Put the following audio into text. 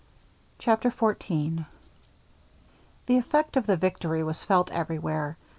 CHAPTER XIV The effect of the victory was felt everywhere.